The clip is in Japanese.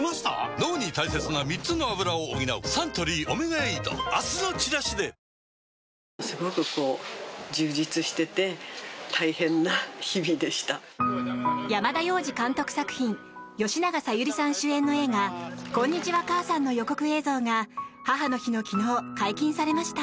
脳に大切な３つのアブラを補うサントリー「オメガエイド」明日のチラシで山田洋次監督作品吉永小百合さん主演の映画「こんにちは、母さん」の予告映像が母の日の昨日、解禁されました。